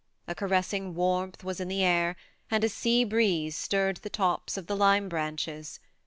A caressing warmth was in the air, and a sea breeze stirred the tops of the lime branches.